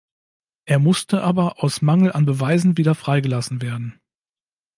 Er musste aber aus Mangel an Beweisen wieder freigelassen werden.